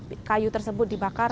karena saat kayu tersebut dibakar